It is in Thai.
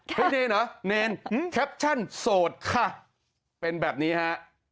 เนรเหรอเนรแคปชั่นโสดค่ะเป็นแบบนี้ฮะ